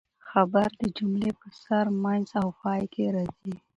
خبر د جملې په سر، منځ او پای کښي راځي.